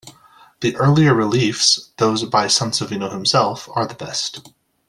The earlier reliefs, those by Sansovino himself, are the best.